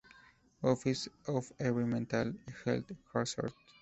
Office of Environmental Health Hazard.